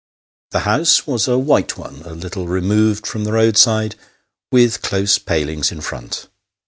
The house was a white one, a little removed from the roadside, with close palings in front.